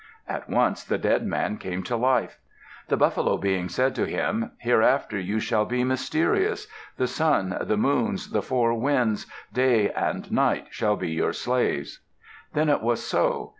At once the dead man came to life. The Buffalo Being said to him, "Hereafter you shall be mysterious. The sun, the moons, the four winds, day and night shall be your slaves." Then it was so.